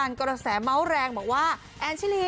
เรื่องนี้เท็จจริงเป็นอย่างไร